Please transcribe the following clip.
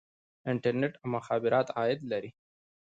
انټرنیټ او مخابرات عاید لري